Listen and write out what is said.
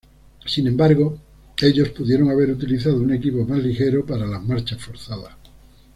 Sin embargo, ellos pudieron haber utilizado un equipo más ligero para las marchas forzadas.